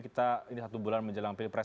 kita ini satu bulan menjelang pilpres